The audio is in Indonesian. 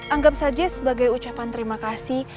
anggap saja sebagai ucapan terima kasih